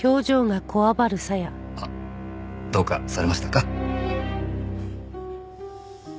あっどうかされましたか？